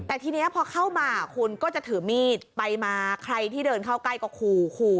แต่ทีนี้พอเข้ามาคุณก็จะถือมีดไปมาใครที่เดินเข้าใกล้ก็ขู่ขู่